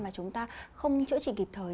mà chúng ta không chữa trị kịp thời